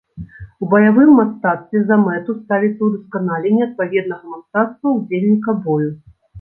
У баявым мастацтве за мэту ставіцца ўдасканаленне адпаведнага мастацтва ўдзельніка бою.